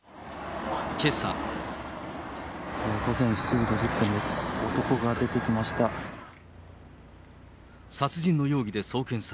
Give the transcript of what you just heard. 午前７時５０分です。